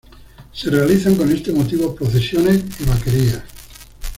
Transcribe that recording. Se realizan con este motivo procesiones y vaquerías.